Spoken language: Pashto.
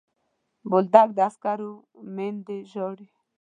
بولدک د عسکرو میندې ژاړي.